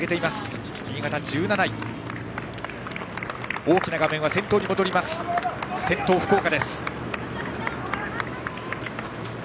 大きな画面、先頭に戻って先頭は福岡。